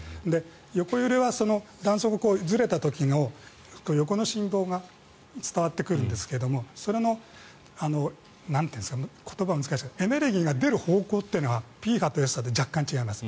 横揺れは断層がずれた時の横の振動が伝わってくるんですがそのエネルギーが出る方向というのはＰ波とＳ波で若干違います。